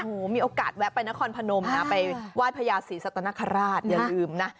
โอ้โฮมีโอกาสแวะไปนครพนมนะไปวาดพระยาศีสัตว์นครราชอย่าลืมนะ